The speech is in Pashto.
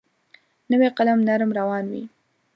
نوی قلم نرم روان وي.